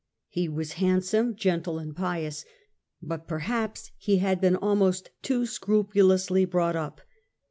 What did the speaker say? He was handsome, gentle and pious, but perhaps he had been almost too scrupulously brought up.